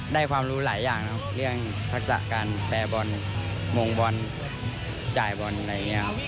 ความรู้หลายอย่างครับเรื่องทักษะการแปลบอลมงบอลจ่ายบอลอะไรอย่างนี้ครับ